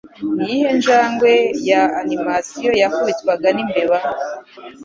Niyihe njangwe ya animasiyo yakubitwaga n’imbeba